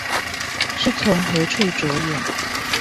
是從何處著眼？